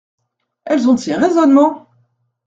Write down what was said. Elles ont de ces raisonnements !